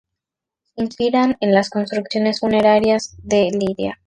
Se inspira en las construcciones funerarias de Lidia.